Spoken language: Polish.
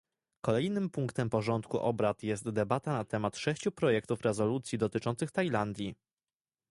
Kolejnym punktem porządku obrad jest debata na temat sześciu projektów rezolucji dotyczących Tajlandii